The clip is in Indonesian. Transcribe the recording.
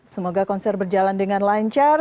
semoga konser berjalan dengan lancar